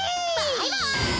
バイバイ！